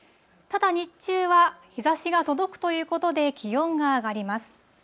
ただ、日中は日ざしが届くということで気温が上がります。